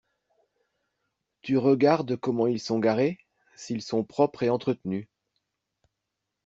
Tu regardes comment ils sont garés, s’ils sont propres et entretenus